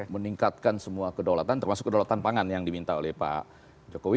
meningkatkan semua kedaulatan termasuk kedaulatan pangan yang diminta oleh pak jokowi